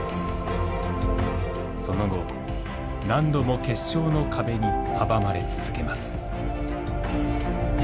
その後、何度も決勝の壁に阻まれ続けます。